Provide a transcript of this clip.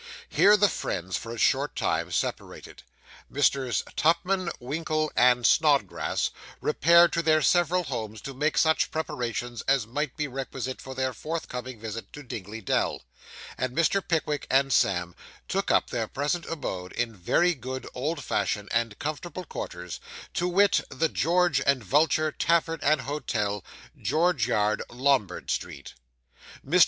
Here the friends, for a short time, separated. Messrs. Tupman, Winkle, and Snodgrass repaired to their several homes to make such preparations as might be requisite for their forthcoming visit to Dingley Dell; and Mr. Pickwick and Sam took up their present abode in very good, old fashioned, and comfortable quarters, to wit, the George and Vulture Tavern and Hotel, George Yard, Lombard Street. Mr.